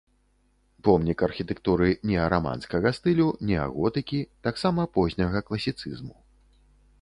Помнік архітэктуры неараманскага стылю, неаготыкі, таксама позняга класіцызму.